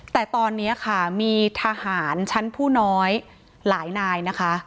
แต่ตอนนี้ค่ะมีทหารชั้นผู้น้อยหลายนายนะคะ